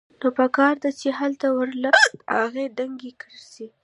نو پکار ده چې هلته ورله د هغې دنګې کرسۍ